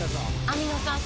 網野さん！